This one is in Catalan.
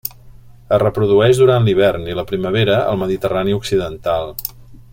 Es reprodueix durant l'hivern i la primavera al Mediterrani occidental.